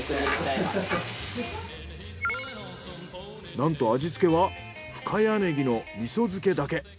なんと味付けは深谷ネギのみそ漬だけ。